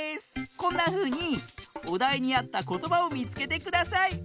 こんなふうにおだいにあったことばをみつけてください！